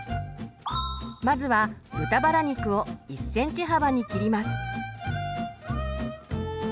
まずは豚バラ肉を１ｃｍ幅に切ります。